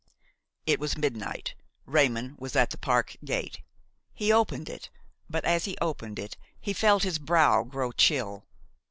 It was midnight; Raymon was at the park gate. He opened it, but as he opened it he felt his brow grow chill.